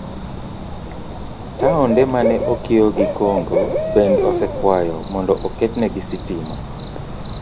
Taonde ma ne okiewo gi Congo bende osekwayo mondo oketnegi sitima.